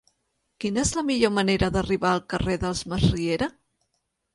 Quina és la millor manera d'arribar al carrer dels Masriera?